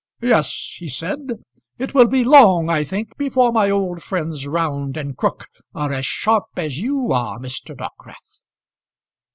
"Yes," he said, "it will be long, I think, before my old friends Round and Crook are as sharp as you are, Mr. Dockwrath."